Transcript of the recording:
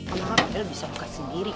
kamar kamar dia bisa buka sendiri